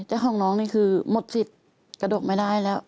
แต่ของน้องนี่คือหมดสิทธิ์กระดกไม่ได้แล้ว